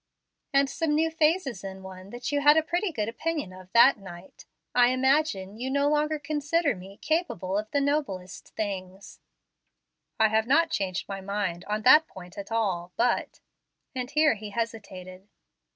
"And some new phases in one that you had a pretty good opinion of that night. I imagine you no longer consider me 'capable of the noblest things.'" "I have not changed my mind on that point at all, but " and here he hesitated.